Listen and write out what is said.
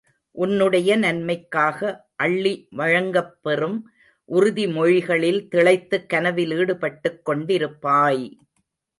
உன்னுடைய நன்மைக்காக அள்ளி வழங்கப்பெறும் உறுதிமொழிகளில் திளைத்துக் கனவில் ஈடுபட்டுக் கொண்டிருப்பாய்!